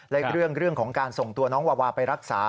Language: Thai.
และเรื่องของการส่งตัวน้องวาวาไปรักษา